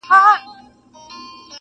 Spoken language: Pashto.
ما و شیخ بېګا له یو خومه چيښله,